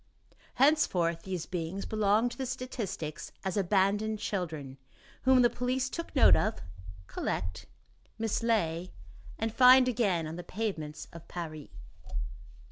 Henceforth these beings belonged to the statistics as "Abandoned children," whom the police take note of, collect, mislay and find again on the pavements of Paris.